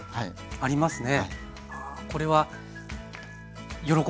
ありますね。